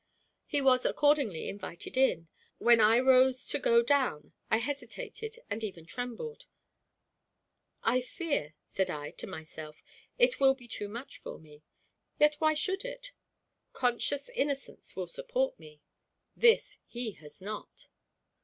He was accordingly invited in. When I rose to go down, I hesitated, and even trembled. "I fear," said I to myself, "it will be too much for me; yet why should it? Conscious innocence will support me. This he has not."